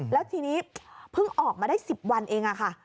แล้วทีนี้เพิ่งออกมาได้๑๐วันเองค่ะ